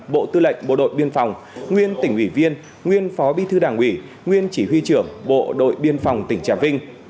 bộ tư lệnh bộ đội biên phòng nguyên tỉnh ủy viên nguyên phó bí thư đảng ủy nguyên chỉ huy trưởng bộ đội biên phòng tỉnh trà vinh